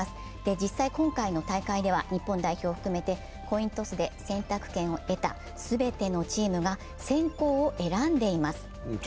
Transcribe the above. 実際、今回の大会では日本代表を含めてコイントスで選択権を得た全てのチームが先攻を選んでいます。